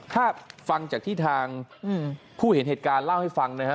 ถ้าฟังจากที่ทางผู้เห็นเหตุการณ์เล่าให้ฟังนะฮะ